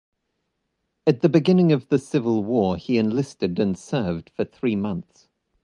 At the beginning of the Civil War he enlisted and served for three months.